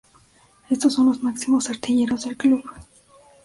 Estos son los máximos artilleros del club.